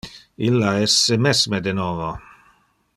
Illa es se mesme de novo.